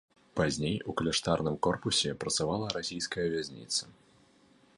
Пазней у кляштарным корпусе працавала расійская вязніца.